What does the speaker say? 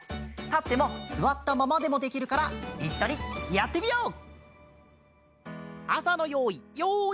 たってもすわったままでもできるからいっしょにやってみよう！